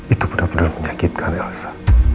itu benar benar menyakitkan rasa